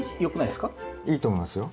いいと思いますよ。